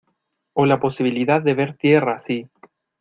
o la posibilidad de ver tierra si...